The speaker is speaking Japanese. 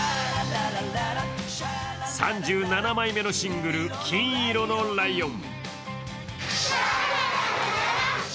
３７枚目のシングル「金色のライオン」。